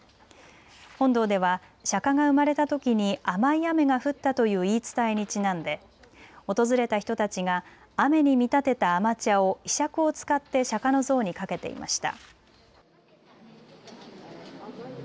本堂では釈迦が生まれたときに甘い雨が降ったという言い伝えにちなんで訪れた人たちが雨に見立てた甘茶をひしゃくを使って釈迦の像にかけていました。